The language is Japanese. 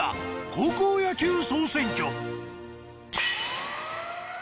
高校野球総選挙。